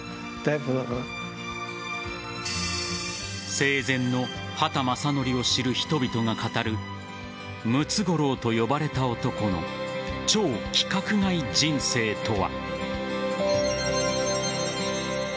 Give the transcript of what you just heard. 生前の畑正憲を知る人々が語るムツゴロウと呼ばれた男の超規格外人生とは。